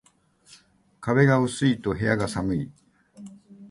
壁が薄いと部屋が寒い